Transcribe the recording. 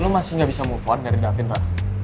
lo masih gak bisa move on dari davin ra